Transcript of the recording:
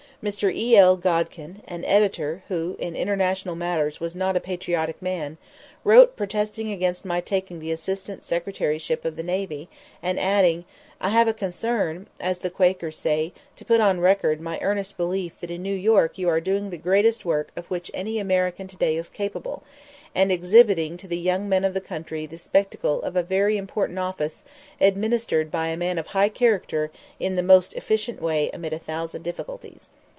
Mr. E. L. Godkin, an editor who in international matters was not a patriotic man, wrote protesting against my taking the Assistant Secretaryship of the Navy, and adding: "I have a concern, as the Quakers say, to put on record my earnest belief that in New York you are doing the greatest work of which any American to day is capable, and exhibiting to the young men of the country the spectacle of a very important office administered by a man of high character in the most efficient way amid a thousand difficulties.